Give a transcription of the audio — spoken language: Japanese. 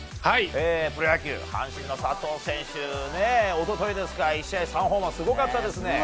プロ野球、阪神の佐藤選手一昨日ですか、１試合３ホーマーすごかったですね。